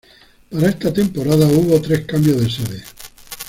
Para esta temporada hubo tres cambios de sede.